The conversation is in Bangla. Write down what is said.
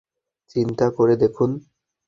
চিন্তা করে দেখুন।